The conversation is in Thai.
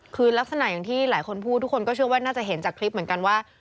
คือลักษณะอย่างที่หลายคนพูดทุกคนก็เชื่อว่าน่าจะเห็นจากคลิปเหมือนกันว่า